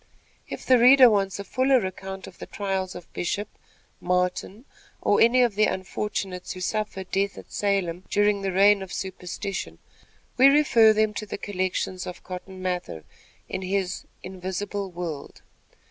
If the reader wants a fuller account of the trials of Bishop, Martin or any of the unfortunates who suffered death at Salem during the reign of superstition, we refer them to the collections of Cotton Mather in his "Invisible World."